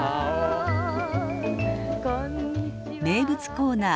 名物コーナー